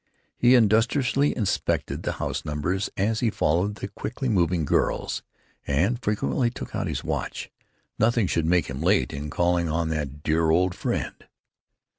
He industriously inspected the house numbers as he followed the quickly moving girls, and frequently took out his watch. Nothing should make him late in calling on that dear old friend.